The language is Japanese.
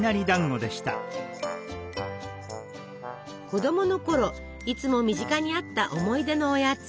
子供のころいつも身近にあった思い出のおやつ。